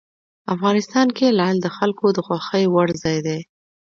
افغانستان کې لعل د خلکو د خوښې وړ ځای دی.